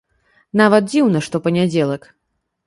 Нават дзіўна, што панядзелак.